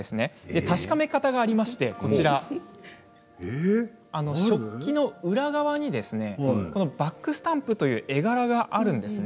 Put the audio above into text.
確かめ方がありまして食器の裏側にバックスタンプという絵柄があるんですね。